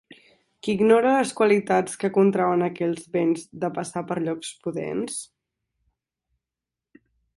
Qui ignora les qualitats que contrauen aquells vents, de passar per llocs pudents?